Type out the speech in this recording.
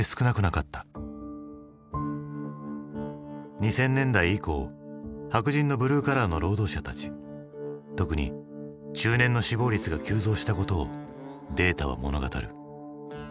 ２０００年代以降白人のブルーカラーの労働者たち特に中年の死亡率が急増したことをデータは物語る。